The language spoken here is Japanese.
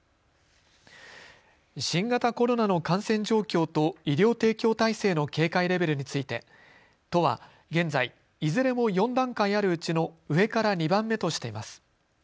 新型コロナの感染状況と医療提供体制の警戒レベルについて都は現在、いずれも４段階あるうちの上から２番目としています。